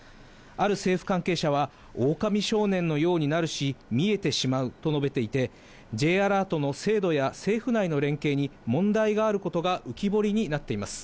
ある政府関係者は、オオカミ少年のようになるし、見えてしまうと述べていて、Ｊアラートの精度や政府内の連携に、問題があることが浮き彫りになっています。